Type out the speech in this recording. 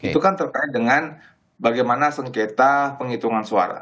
itu kan terkait dengan bagaimana sengketa penghitungan suara